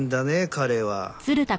彼は。